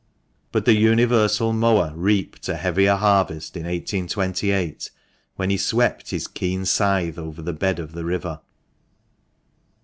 But the universal mower reaped a heavier harvest in 1828, when he swept his keen scythe over the bed of the river.